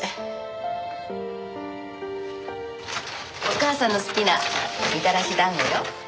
お母さんの好きなみたらし団子よ。